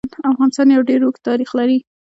افغانستان يو ډير اوږد تاريخ لري.